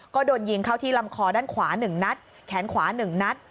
ก็โดนยิงเข้าที่ลำคอด้านขวา๑นัดแขนขวา๑นัด